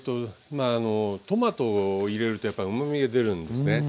トマトを入れるとやっぱりうまみが出るんですね。